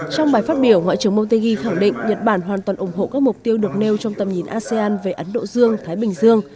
trong bài phát biểu ngoại trưởng motegi khẳng định nhật bản hoàn toàn ủng hộ các mục tiêu được nêu trong tầm nhìn asean về ấn độ dương thái bình dương